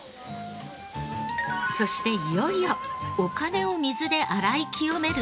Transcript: そしていよいよお金を水で洗い清める場所